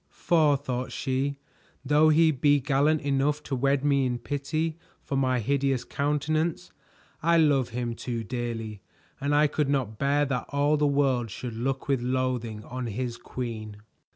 "For," thought she, "though he be gallant enough to wed me in pity for my hideous countenance, I love him too dearly, and I could not bear that all the world should look with loathing on his queen."